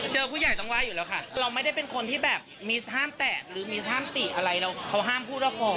ผู้ใหญ่ต้องว่าอยู่แล้วค่ะเราไม่ได้เป็นคนที่แบบมีห้ามแตะหรือมีห้ามติอะไรเราเขาห้ามพูดว่าขอ